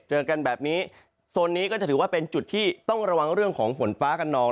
เจอกันแบบนี้โซนนี้ก็จะถือว่าเป็นจุดที่ต้องระวังเรื่องของฝนฟ้ากระนอง